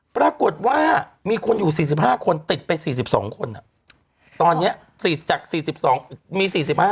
ปรากฏว่ามีคนอยู่๔๕คนติดไป๔๒คนตอนนี้จาก๔๒มี๔๕